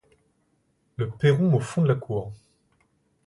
Le perron au fond de la cour.